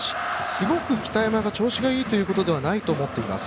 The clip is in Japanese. すごく北山の調子がいいということではないと思っています。